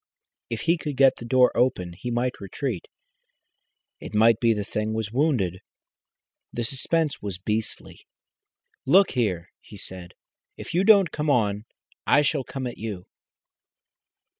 If he could get the door open he might retreat. It might be the thing was wounded. The suspense was beastly. "Look here!" he said, "if you don't come on, I shall come at you."